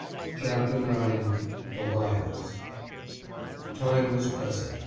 CHAPTER IX THE LIARS Time was pressing.